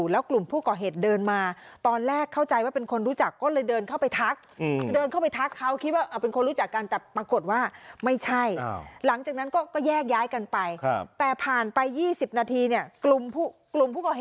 แล้วก็กระชาก